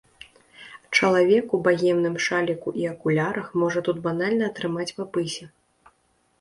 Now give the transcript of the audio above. Чалавек у багемным шаліку і акулярах можа тут банальна атрымаць па пысе.